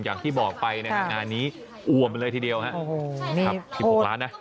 อย่างที่บอกไปนะครับงานนี้อวมเลยทีเดียวนะครับ